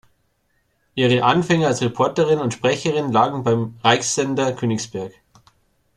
Ihre Anfänge als Reporterin und Sprecherin lagen beim Reichssender Königsberg.